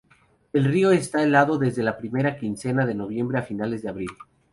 El río está helado desde la primera quincena de noviembre a finales de abril.